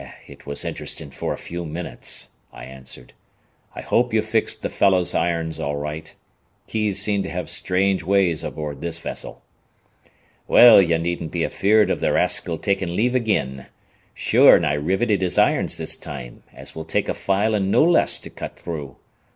"It was interesting for a few minutes," I answered. "I hope you fixed the fellow's irons all right. Keys seem to have strange ways aboard this vessel." "Well, ye needn't be afear'd av th' raskil takin' leave ag'in. Sure, an' I riveted his irons this time, as will take a file an' no less to cut through.